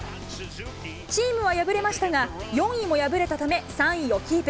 チームは敗れましたが、４位も敗れたため、３位をキープ。